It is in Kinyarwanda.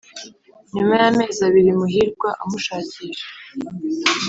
Nyuma y amezi abiri Muhirwa amushakisha.